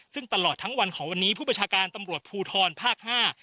ซึ่งตลอดทั้งวันของวันนี้ผู้ประชาการตำรวจภูทรภาคห้า